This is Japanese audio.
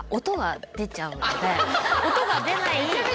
音が出ない。